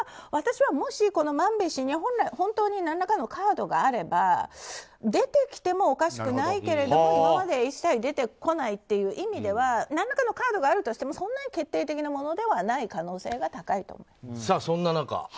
私は、もしマンベ氏に本当に何らかのカードがあれば出てきてもおかしくないけど今まで一切出てきてないという意味では何らかのカードがあるとしてもそんなに決定的なものではないそんな中？